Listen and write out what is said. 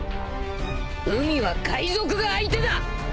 海は海賊が相手だ。